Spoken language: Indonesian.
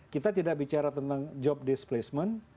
kita tidak bicara tentang job displacement